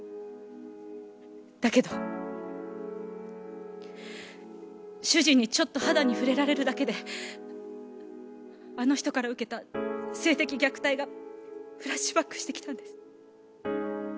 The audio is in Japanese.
だけど主人にちょっと肌に触れられるだけであの人から受けた性的虐待がフラッシュバックしてきたんです。